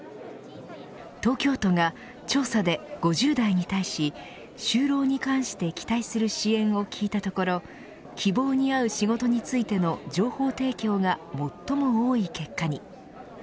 東京都が調査で、５０代に対し就労に関して期待する支援を聞いたところ希望に合う仕事についての情報提供が最も多い結果に。